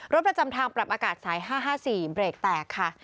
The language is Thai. ประจำทางปรับอากาศสาย๕๕๔เบรกแตกค่ะ